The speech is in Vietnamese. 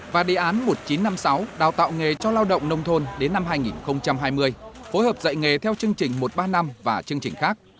và đề án một nghìn chín trăm năm mươi sáu đào tạo nghề cho lao động nông thôn đến năm hai nghìn hai mươi phối hợp dạy nghề theo chương trình một ba năm và chương trình khác